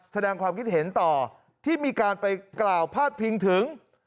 แสดงความคิดเห็นต่อที่มีการไปกล่าวพาดพิงถึง